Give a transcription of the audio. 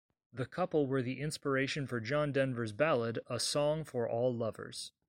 The couple were the inspiration for John Denver's ballad A Song For All Lovers.